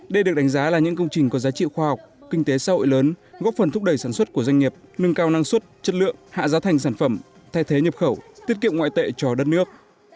đây được đánh giá là những công trình có giá trị khoa học kinh tế xã hội lớn góp phần thúc đẩy sản xuất của doanh nghiệp nâng cao năng suất chất lượng hạ giá thành sản phẩm thay thế nhập khẩu tiết kiệm ngoại tệ cho đất nước